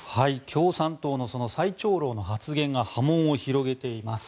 共産党の最長老の発言が波紋を広げています。